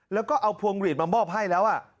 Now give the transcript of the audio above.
แล้วก็เอาพวงหลีดมามอบให้แล้ว